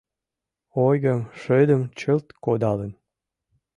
Ойгым, шыдым чылт кодалын